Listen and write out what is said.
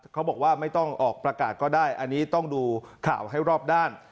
เขาบอกว่าไม่ต้องออกประกาศก็ได้อันนี้ต้องดูข่าวให้รอบด้าน